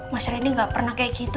mas reni gak pernah kayak gitu